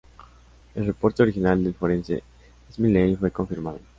El reporte original del forense Smiley fue confirmado.